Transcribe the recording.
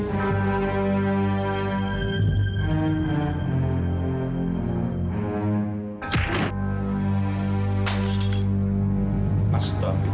kau mau bunuh dia